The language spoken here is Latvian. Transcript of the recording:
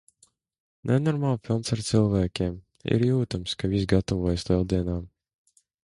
Nenormāli pilns ar cilvēkiem – ir jūtams, ka visi gatavojas Lieldienām.